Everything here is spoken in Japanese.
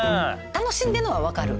楽しんでんのは分かる。